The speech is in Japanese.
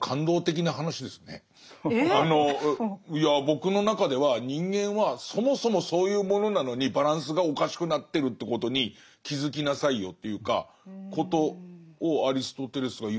僕の中では人間はそもそもそういうものなのにバランスがおかしくなってるということに気付きなさいよということをアリストテレスが言ってる気がして。